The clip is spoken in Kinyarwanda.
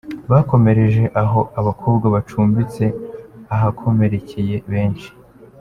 Bakomereje aho abakobwa bacumbitse, ahakomerekeye benshi.